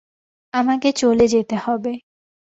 আমাকে চলে যেতে হবে।